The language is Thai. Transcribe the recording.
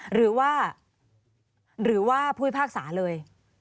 หรือผ่วยภาษาเลย